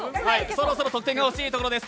そろそろ得点が欲しいところです。